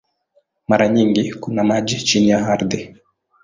Mara nyingi kuna maji chini ya ardhi.